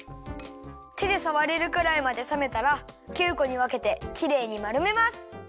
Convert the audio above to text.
てでさわれるくらいまでさめたら９こにわけてきれいにまるめます。